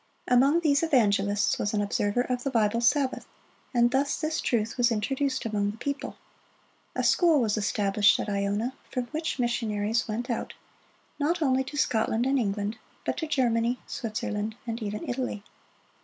Among these evangelists was an observer of the Bible Sabbath, and thus this truth was introduced among the people. A school was established at Iona, from which missionaries went out, not only to Scotland and England, but to Germany, Switzerland, and even Italy.